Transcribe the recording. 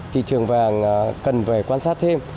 thị trường vàng cần phải quan sát thêm